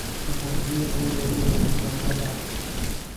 په همدې غوړو مو ګوزاره ده.